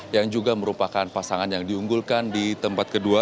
yang juga merupakan pasangan yang diunggulkan di tempat kedua